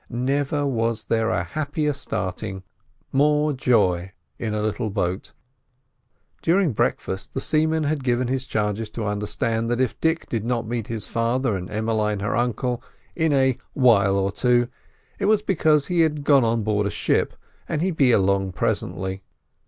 Never was there a happier starting, more joy in a little boat. During breakfast the seaman had given his charges to understand that if Dick did not meet his father and Emmeline her uncle in a "while or two," it was because he had gone on board a ship, and he'd be along presently.